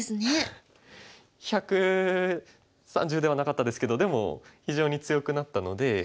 １３０ではなかったですけどでも非常に強くなったので。